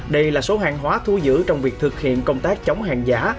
đây là số hàng hóa thu giữ trong việc thực hiện công tác chống hàng giả